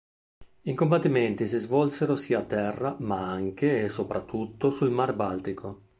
I combattimenti si svolsero sia a terra ma anche, e soprattutto, sul Mar Baltico.